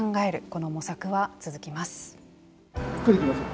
この模索は続きます。